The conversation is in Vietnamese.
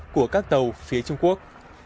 của các tàu phía trung quốc